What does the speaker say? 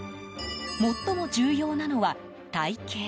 最も重要なのは体形。